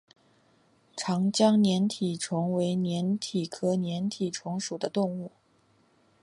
长江粘体虫为粘体科粘体虫属的动物。